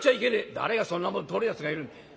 「誰がそんなもんとるやつがいるんだ」。